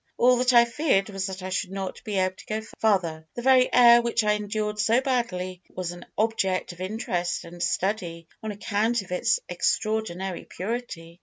All that I feared was that I should not be able to go farther. The very air which I endured so badly was an object of interest and study on account of its extraordinary purity.